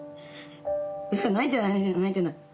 いや泣いてない泣いてない。